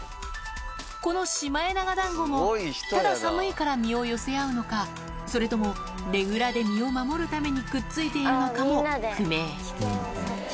このシマエナガだんごも、ただ寒いから身を寄せ合うのか、それとも、ねぐらで身を守るために、くっついているのかも不明。